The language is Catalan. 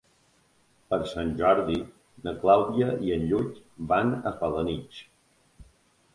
Per Sant Jordi na Clàudia i en Lluc van a Felanitx.